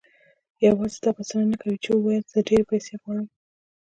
يوازې دا بسنه نه کوي چې وواياست زه ډېرې پيسې غواړم.